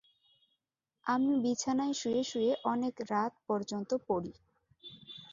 আমি বিছানায় শুয়ে শুয়ে অনেকরাত পর্যন্ত পড়ি।